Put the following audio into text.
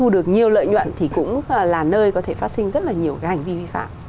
được nhiều lợi nhuận thì cũng là nơi có thể phát sinh rất là nhiều cái hành vi vi phạm